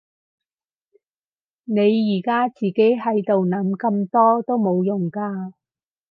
你而家自己喺度諗咁多都冇用㗎